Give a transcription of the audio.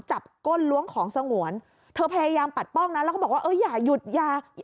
ก้นล้วงของสงวนเธอพยายามปัดป้องนะแล้วก็บอกว่าเอออย่าหยุดอย่า